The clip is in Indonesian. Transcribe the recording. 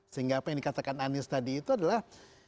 sehingga apa yang dikatakan anies tadi itu adalah